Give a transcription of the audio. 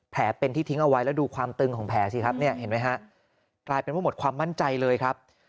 แผลเป็นที่ทิ้งเอาไว้แล้วดูความตึงของแผลสิครับเนี่ยเห็นไหมฮะกลายเป็นว่าหมดความมั่นใจเลยครับ